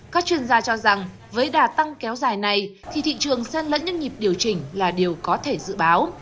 các chuyên gia cho rằng với đà tăng kéo dài này thì thị trường sen lẫn nhân nhịp điều chỉnh là điều có thể dự báo